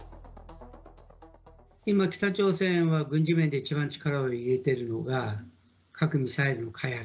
今北朝鮮は軍事面で一番力を入れているのが、核・ミサイル開発。